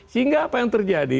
sehingga apa yang terjadi